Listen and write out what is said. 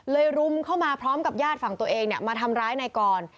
รุมเข้ามาพร้อมกับญาติฝั่งตัวเองมาทำร้ายนายกร